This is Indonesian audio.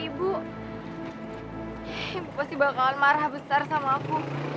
ibu pasti bakalan marah besar sama aku